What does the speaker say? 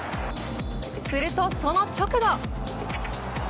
すると、その直後。